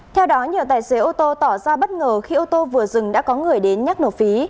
theo đó nhiều tài xế ô tô tỏ ra bất ngờ khi ô tô vừa dừng đã có người đến nhắc nổ phí